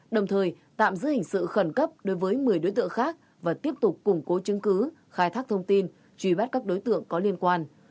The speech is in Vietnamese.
đồng thời tạm giữ hình sự khẩn cấp đối với một mươi đối tượng khác và tiếp tục củng cố chứng cứ khai thác thông tin truy bắt các đối tượng có liên quan